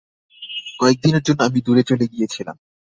কয়েকদিনের জন্য আমি দূরে চলে গিয়েছিলাম।